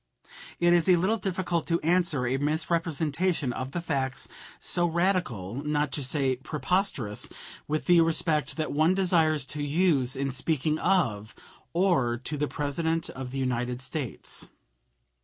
It is a little difficult to answer a misrepresentation of the facts so radical not to say preposterous with the respect that one desires to use in speaking of or to the President of the United States.